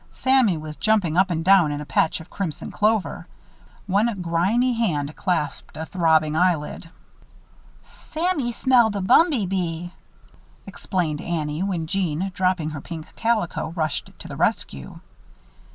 Sammy was jumping up and down in a patch of crimson clover. One grimy hand clasped a throbbing eyelid. "Sammy smelled a bumby bee," explained Annie, when Jeanne, dropping her pink calico, rushed to the rescue.